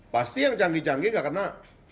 pasti yang canggih canggih gak karena